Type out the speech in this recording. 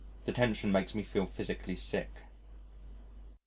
The tension makes me feel physically sick.